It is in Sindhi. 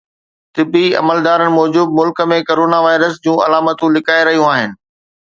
طبي عملدارن موجب ملڪ ۾ ڪورونا وائرس جون علامتون لڪائي رهيون آهن